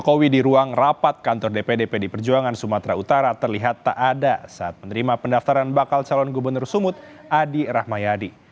jokowi di ruang rapat kantor dpd pd perjuangan sumatera utara terlihat tak ada saat menerima pendaftaran bakal calon gubernur sumut adi rahmayadi